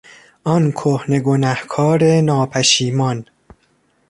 آن کهنه گنهکار ناپشیمان!